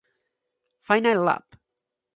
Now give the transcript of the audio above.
Final Lap